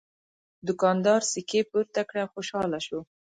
دوکاندار سکې پورته کړې او خوشحاله شو.